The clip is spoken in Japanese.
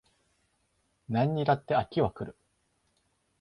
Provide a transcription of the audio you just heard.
何にだって飽きは来る